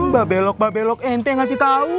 babelok babelok ente ngasih tahu